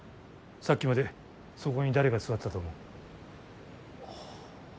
さっきまでそこに誰が座ってたと思う。